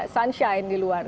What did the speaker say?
sunshine di luar